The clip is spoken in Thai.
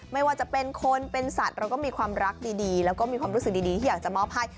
ไม่ว่าจะเป็นคนเป็นสัตว์เราก็มีความรักดีแล้วก็มีความรู้สึกดีที่อยากจะมอบให้